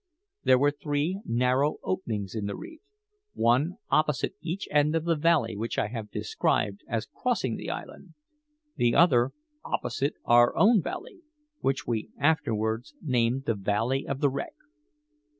There were three narrow openings in the reef: one opposite each end of the valley which I have described as crossing the island; the other opposite our own valley, which we afterwards named the Valley of the Wreck.